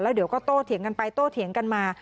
เดี๋ยวก็โตเถียงกันไปโต้เถียงกันมา